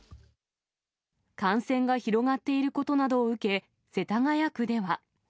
感染が広がっていることなどを受け、世田谷区では。